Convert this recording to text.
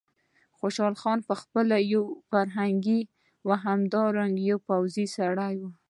خوشحال خان په خپله یو فرهنګي او همدارنګه یو پوځي سړی و.